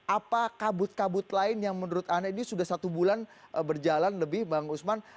apa kabut kabut lain yang menurut anda ini sudah satu bulan berjalan lebih bang usman